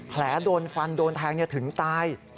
โดนฟันโดนแทงถึงตาย